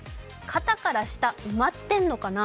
肩から下埋まってんのかな。